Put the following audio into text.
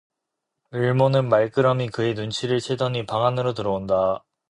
의모는 말끄러미 그의 눈치를 채더니 방 안으로 들어온다.